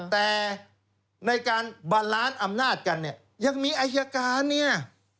แต่ในการบาลานซ์อำนาจกันเนี่ยยังมีอายการเนี่ย